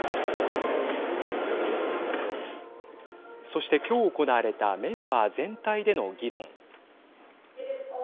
そして、きょう行われたメンバー全体での議論。